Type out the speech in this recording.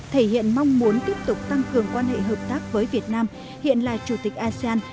thể hiện mong muốn tiếp tục tăng cường quan hệ hợp tác với việt nam hiện là chủ tịch asean